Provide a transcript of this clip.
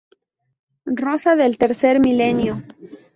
Rosa del Tercer Milenio.